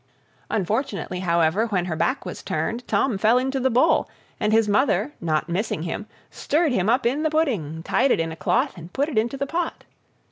Unfortunately, however, when her back was turned, Tom fell into the bowl, and his mother, not missing him, stirred him up in the pudding, tied it in a cloth, and put it into the pot.